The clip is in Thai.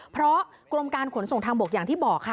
เพราะกรมการขนส่งทางบกอย่างที่บอกค่ะ